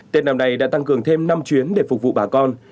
tết năm nay đã tăng cường thêm năm chuyến để phục vụ bà con